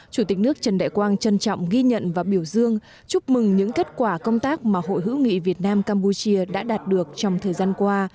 chủ tịch nước trần đại quang trân trọng ghi nhận và biểu dương chúc mừng những kết quả công tác mà hội hữu nghị việt nam campuchia đã đạt được trong thời gian qua